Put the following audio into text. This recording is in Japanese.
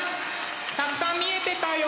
たくさん見えてたよ！